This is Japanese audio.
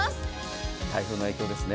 台風の影響ですね。